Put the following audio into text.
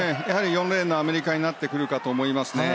４レーンのアメリカになってくるかと思いますね。